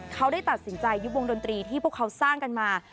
เขาได้ตัดสินใจยุบวงดนตรีที่พวกเขาสร้างกันมา